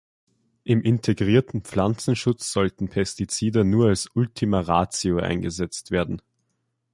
Im integrierten Pflanzenschutz sollten Pestizide nur als Ultima Ratio eingesetzt werden.